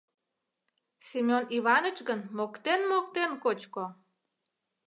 Семён Иваныч гын моктен-моктен кочко.